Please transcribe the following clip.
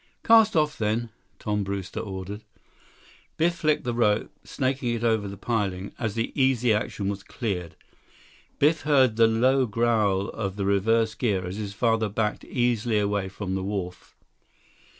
"Cast off, then," Tom Brewster ordered. Biff flicked the rope, snaking it over the piling, as the Easy Action was cleared. Biff heard the low growl of the reverse gear as his father backed easily away from the wharf.